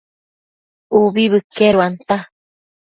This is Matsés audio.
Ubi bëqueduanta